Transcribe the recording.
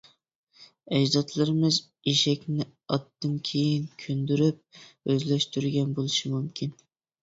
ئەجدادلىرىمىز ئېشەكنى ئاتتىن كېيىن كۆندۈرۈپ ئۆزلەشتۈرگەن بولۇشى مۇمكىن.